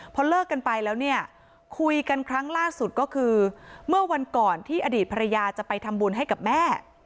พอเลิกกันไปแล้วเนี่ยคุยกันครั้งล่าสุดก็คือเมื่อวันก่อนที่อดีตภรรยาจะไปทำบุญให้กับแม่